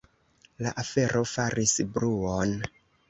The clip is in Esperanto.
La afero faris bruon.